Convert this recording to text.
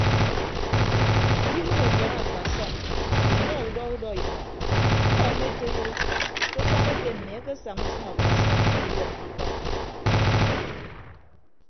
Ke iwuod adiaha akpasọm inọ udọ udọ imọ ñkọ emetoiyo ke akpan ete mmi akesaña usʌñ akpasọm ediwuọ ke ikọd.